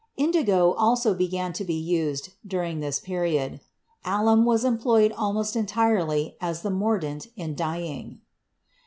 Indigo also began to be used during this period. Alum was employed almost en tirely as the mordant in dyeing.